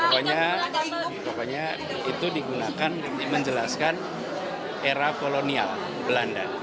pokoknya itu digunakan menjelaskan era kolonial belanda